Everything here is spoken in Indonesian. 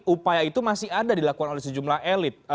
upaya itu masih ada dilakukan oleh sejumlah elit